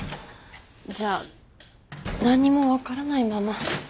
じゃあ何も分からないまま。